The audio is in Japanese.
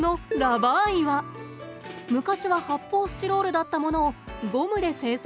昔は発泡スチロールだったものをゴムで制作。